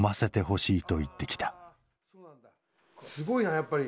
すごいなやっぱり。